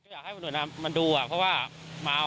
อยากให้หมุนุญามน้ำมาดูกันเพราะว่า